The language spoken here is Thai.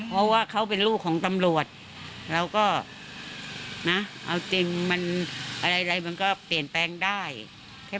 เพราะว่าเขาเป็นลูกของตำรวจเราก็นะเอาจริงมันอะไรมันก็เปลี่ยนแปลงได้แค่